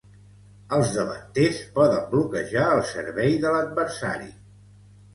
Els davanters poden bloquejar el servei de l'adversari.